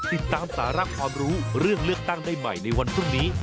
ติดตามสาระความรู้เรื่องเลือกตั้งได้ใหม่ในวันพรุ่งนี้